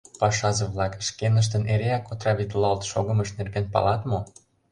— Пашазе-влак шкеныштын эреак отравитлалт шогымышт нерген палат мо?